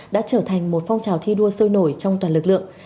đã trở thành một phong trào thi đua sôi nổi trong toàn lực lượng